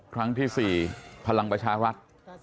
ครั้งที่๔พลังประชารัฐ